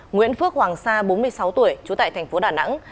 nguyễn phước hoàng sa bốn mươi sáu tuổi trú tại thành phố đà nẵng